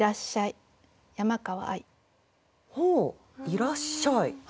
「いらっしゃい」。